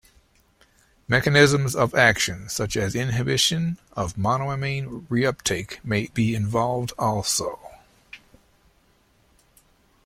Mechanisms of action such as inhibition of monoamine reuptake may be involved also.